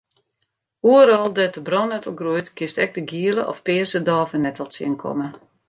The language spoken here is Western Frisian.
Oeral dêr't de brannettel groeit kinst ek de giele of pearse dôvenettel tsjinkomme.